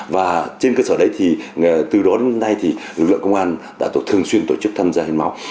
và trên cơ sở đấy thì từ đó đến nay thì lực lượng công an đã thường xuyên tổ chức tham gia hiến máu